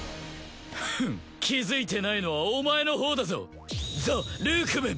フッ気づいてないのはお前のほうだぞザ・ルークメン！